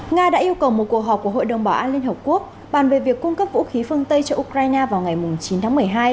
nga đã yêu cầu một cuộc họp của hội đồng bảo an liên hợp quốc bàn về việc cung cấp vũ khí phương tây cho ukraine vào ngày chín tháng một mươi hai